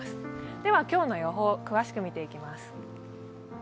では、今日の予報を詳しく見ていきます。